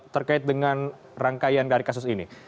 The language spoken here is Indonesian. terkait dengan rangkaian dari kasus ini